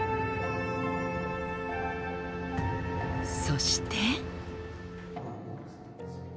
そして。